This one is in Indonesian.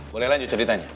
boleh lanjut ceritanya